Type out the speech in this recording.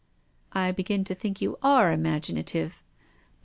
" I begin to think you are imaginative."